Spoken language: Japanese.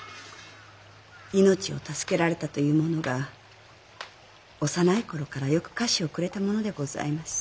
命を助けられたという者が幼いころからよく菓子をくれたものでございます。